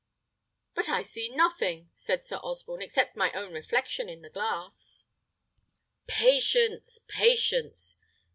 "But I see nothing," said Sir Osborne, "except my own reflection in the glass." "Patience, patience.